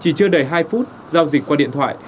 chỉ chưa đầy hai phút giao dịch qua điện thoại